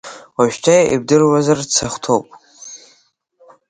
Уажәшьҭа ибдыруазарц ахәҭоуп…